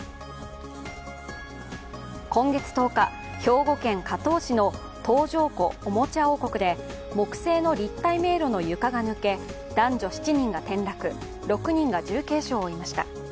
今月１０日、兵庫県加東市の東条湖おもちゃ王国で木製の立体迷路の床が抜け、男女７人が転落、６人が重軽傷を負いました。